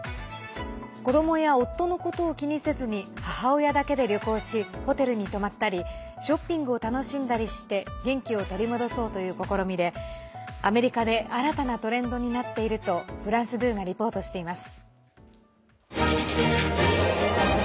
子どもや夫のことを気にせずに母親だけで旅行しホテルに泊まったりショッピングを楽しんだりして元気を取り戻そうという試みでアメリカで新たなトレンドになっているとフランス２がリポートしています。